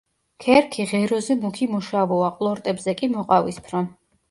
ქერქი ღეროზე მუქი მოშავოა, ყლორტებზე კი მოყავისფრო.